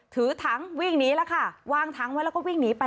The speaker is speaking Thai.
ถือถังวิ่งหนีแล้วค่ะวางถังไว้แล้วก็วิ่งหนีไป